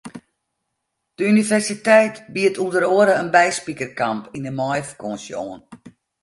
De universiteit biedt ûnder oare in byspikerkamp yn de maaiefakânsje oan.